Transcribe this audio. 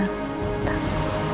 terima kasih selamat malam